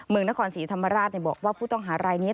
เมืองนครศรีธรรมราชบอกว่าผู้ต้องหารายนี้